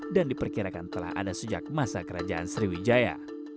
dan diperkirakan telah ada sejak masa kerajaan sriwijaya